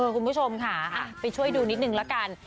คุณผู้ชมค่ะไปช่วยดูนิดนึงละกัน